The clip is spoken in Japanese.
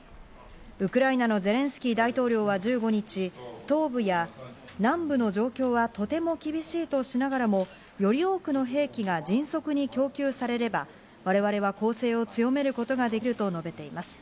ウクライナのゼレンスキー大統領は１５日、東部や南部の状況はとても厳しいとしながらも、より多くの兵器が迅速に供給されれば、我々は攻勢を強めることができると述べています。